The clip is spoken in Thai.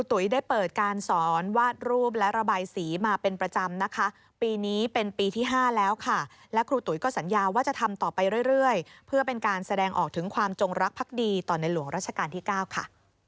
ตุ๋ยได้เปิดการสอนวาดรูปและระบายสีมาเป็นประจำนะคะปีนี้เป็นปีที่๕แล้วค่ะและครูตุ๋ยก็สัญญาว่าจะทำต่อไปเรื่อยเพื่อเป็นการแสดงออกถึงความจงรักภักดีต่อในหลวงราชการที่๙ค่ะ